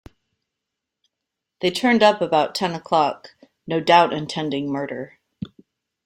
They turned up about ten o'clock, no doubt intending murder.